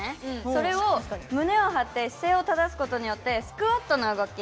それを胸を張って姿勢を正すことによってスクワットの動き。